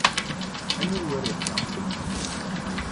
Aniwer akka?